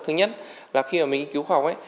thứ nhất là khi mà mình nghiên cứu khoa học